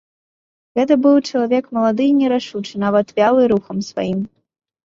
Гэта быў чалавек малады і нерашучы, нават вялы рухам сваім.